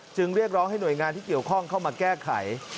เรียกร้องให้หน่วยงานที่เกี่ยวข้องเข้ามาแก้ไข